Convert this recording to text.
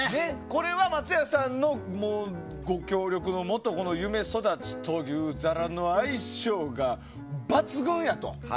これは松屋さんのご協力のもと夢そだちという、ザラとの相性が抜群だと。